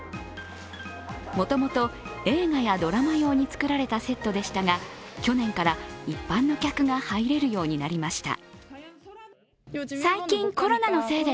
もともと映画やドラマ用に作られたセットでしたが、去年から、一般の客が入れるようになりました。